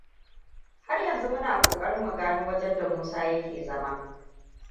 Har yanzu muna kokarin mu gano wajenda Musa yake zama.